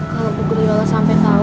kalau bu guliola sampai tahu